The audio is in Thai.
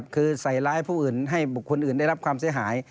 คือใส่ร้ายผู้อื่นให้บุคคลอื่นได้รับความเสียหาย